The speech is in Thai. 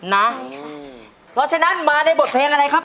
เพราะฉะนั้นมาในบทเพลงอะไรครับ